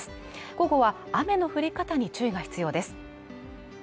午後は雨の降り方に注意が必要です